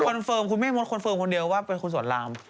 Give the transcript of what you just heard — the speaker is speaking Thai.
เฟิร์มคุณแม่มดคอนเฟิร์มคนเดียวว่าเป็นคนสอนราม